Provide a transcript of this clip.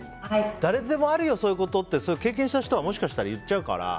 誰でもあるよ、そういうことって経験したことある人はもしかしたら言っちゃうから。